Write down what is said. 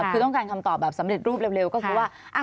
คือต้องการคำตอบแบบสำเร็จรูปเร็วก็คือว่า